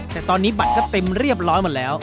แต่ตอนนี้บัตรก็เต็มเรียบร้อยหมดแล้ว